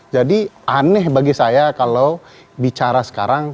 jadi aneh bagi saya kalau bicara sekarang